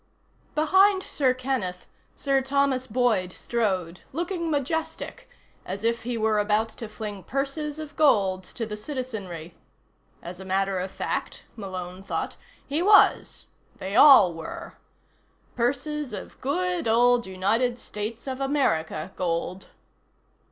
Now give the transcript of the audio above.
Behind Sir Kenneth, Sir Thomas Boyd strode, looking majestic, as if he were about to fling purses of gold to the citizenry. As a matter of fact, Malone thought, he was. They all were. Purses of good old United States of America gold.